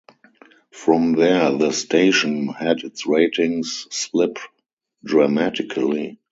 From there, the station had its ratings slip dramatically.